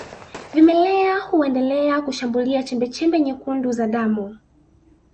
Vimelea huendelea kushambulia chembechembe nyekundu za damu